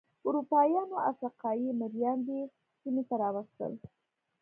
اروپایانو افریقايي مریان دې سیمې ته راوستل.